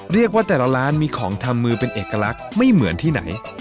เรียกว่าแต่ละร้านมีของทำมือเป็นเอกลักษณ์ไม่เหมือนที่ไหน